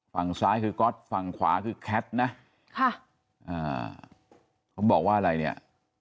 ฝั่งซ้ายคือก๊อตฟังขวาคือแคทนะบอกว่าอะไรเนี่ย